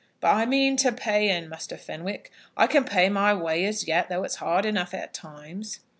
"But I mean to pay 'un, Muster Fenwick. I can pay my way as yet, though it's hard enough at times."